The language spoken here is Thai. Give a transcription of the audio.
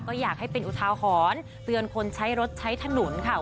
ก็อยากให้เป็นอุทาหรณ์เตือนคนใช้รถใช้ถนนค่ะ